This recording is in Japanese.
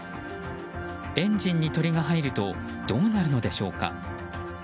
エンジンに鳥が入るとどうなるのでしょうか。